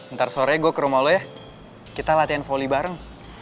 ntar sore gue ke rumah lo ya kita latihan voli bareng